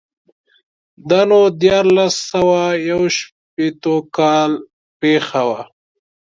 دا نو دیارلس سوه یو شپېتو کال پېښه وه.